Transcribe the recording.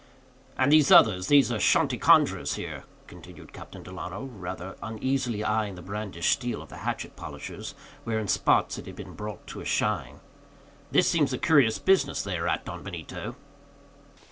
"And these others, these Ashantee conjurors here," continued Captain Delano, rather uneasily eying the brandished steel of the hatchet polishers, where, in spots, it had been brought to a shine, "this seems a curious business they are at, Don Benito?"